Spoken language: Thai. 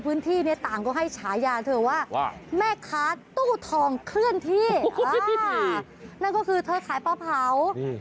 ถือว่าแม่ค้าตู้ทองเคลื่อนที่อ่านั่นก็คือเธอขายเป้าเผาอืม